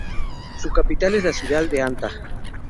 Su capital es la ciudad de Anta.